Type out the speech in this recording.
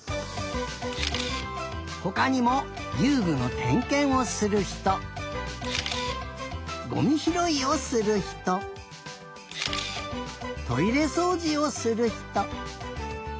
ほかにもゆうぐのてんけんをするひとゴミひろいをするひとトイレそうじをするひと。